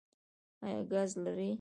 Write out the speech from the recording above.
ایا ګاز لرئ؟